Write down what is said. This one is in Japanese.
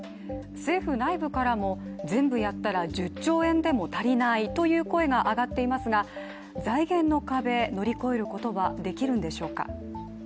政府内部からも、全部やったら１０兆円でも足りないという声が上がっていますが財源の壁を乗り越えることはできるんでしょうか。